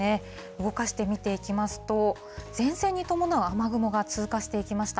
動かして見ていきますと、前線に伴う雨雲が通過していきました。